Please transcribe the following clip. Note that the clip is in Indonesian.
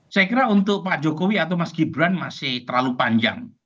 saya kira untuk pak jokowi atau mas gibran masih terlalu panjang